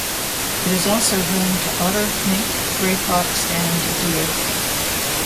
It is also home to otter, mink, grey fox and deer.